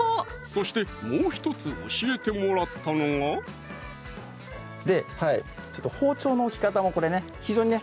そしてもう１つ教えてもらったのがで包丁の置き方もこれね非常にね